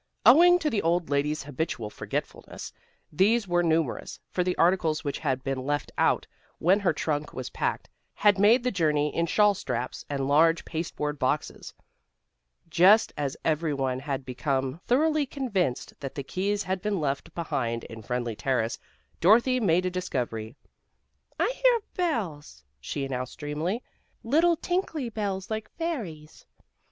Owing to the old lady's habitual forgetfulness these were numerous, for the articles which had been left out when her trunk was packed had made the journey in shawlstraps and large pasteboard boxes. Just as every one had become thoroughly convinced that the keys had been left behind in Friendly Terrace, Dorothy made a discovery. "I hear bells," she announced dreamily, "little tinkly bells like fairies."